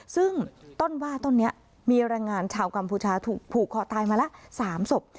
ซึ่งต้นว่าต้นนี้มีแรงงานชาวกัมพูชาถูกผูกคอตายมาละ๓ศพ